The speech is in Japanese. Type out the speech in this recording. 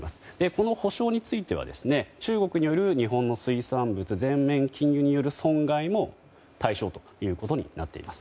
この補償については中国による日本の水産物全面禁輸による損害も対象ということになっています。